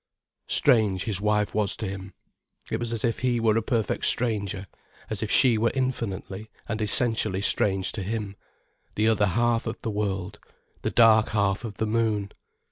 Strange his wife was to him. It was as if he were a perfect stranger, as if she were infinitely and essentially strange to him, the other half of the world, the dark half of the moon.